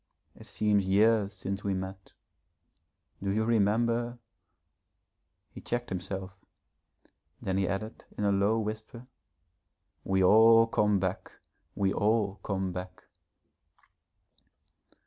It seems years since we met. Do you remember ?' He checked himself; then he added in a low whisper, 'We all come back, we all come back.'